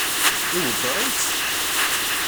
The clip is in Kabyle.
Iweddeṛ-itt?